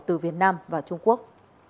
từ việt nam và trung quốc